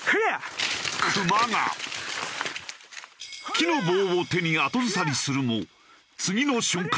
木の棒を手に後ずさりするも次の瞬間。